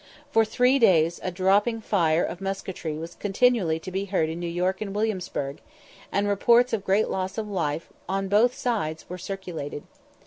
For three days a dropping fire of musketry was continually to be heard in New York and Williamsburgh, and reports of great loss of life on both sides were circulated.